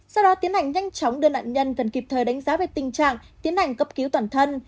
sau đó tiến hành nhanh chóng đưa nạn nhân cần kịp thời đánh giá về tình trạng tiến hành cấp cứu toàn thân